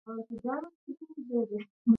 ایا ستاسو سوغات به خوښ نه شي؟